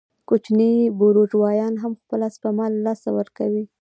کوچني بورژوایان هم خپله سپما له لاسه ورکوي